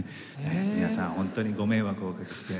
皆さん本当ご迷惑をおかけして。